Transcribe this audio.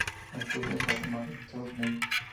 Estudió en Guatemala y Estados Unidos.